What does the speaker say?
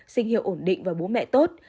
sinh hiệu ổn định và bố mẹ tốt